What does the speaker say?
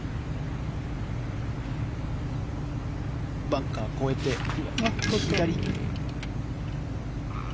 バンカーを越えて左。